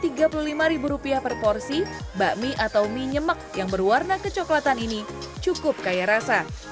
rp tiga puluh lima per porsi bakmi atau mie nyemek yang berwarna kecoklatan ini cukup kaya rasa